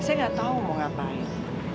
saya gak tau mau ngapain